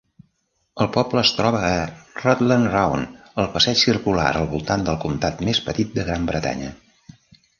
El poble es troba a Rutland Round, el passeig circular al voltant del comtat més petit de Gran Bretanya.